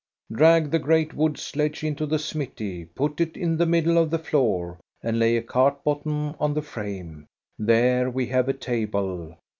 Drag the great wood sledge into the smithy, put it in the middle of the floor, and lay a cart bottom on the frame ! There we have a table.